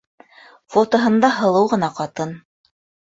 Фотоһында — һылыу ғына ҡатын.